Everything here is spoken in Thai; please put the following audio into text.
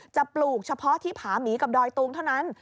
ปลูกเฉพาะที่ผาหมีกับดอยตุงเท่านั้น